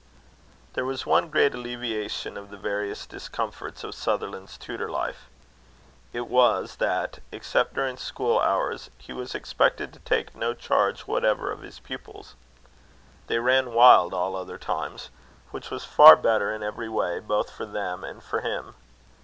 There was one great alleviation to the various discomforts of Sutherland's tutor life. It was, that, except during school hours, he was expected to take no charge whatever of his pupils. They ran wild all other times; which was far better, in every way, both for them and for him.